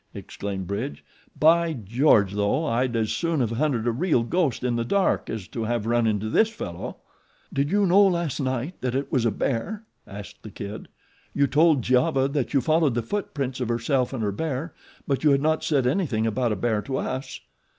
exclaimed Bridge. "By George! though, I'd as soon have hunted a real ghost in the dark as to have run into this fellow." "Did you know last night that it was a bear?" asked the Kid. "You told Giova that you followed the footprints of herself and her bear; but you had not said anything about a bear to us."